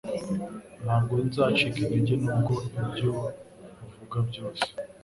Ntabwo nzacika intege nubwo ibyo uvuga byose